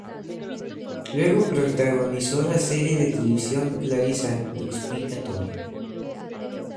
Luego protagonizó la serie de televisión "Clarissa lo explica todo".